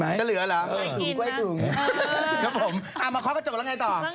มาคล้อกกระจกแล้วไงต่อ